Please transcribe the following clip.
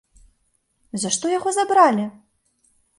За што яго забралі?